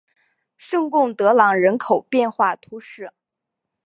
圣贡德朗人口变化图示